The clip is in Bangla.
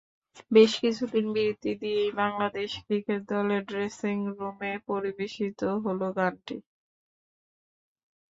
বেশ কিছুদিন বিরতি দিয়েই বাংলাদেশ ক্রিকেট দলের ড্রেসিংরুমে পরিবেশিত হলো গানটি।